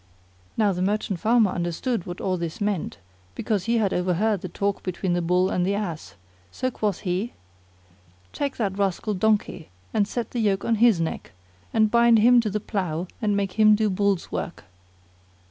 Now the merchant farmer understood what all this meant, because he had overheard the talk between the Bull and the Ass, so quoth he, "Take that rascal donkey, and set the yoke on his neck, and bind him to the plough and make him do Bull's work."